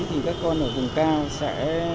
thì các con ở vùng cao sẽ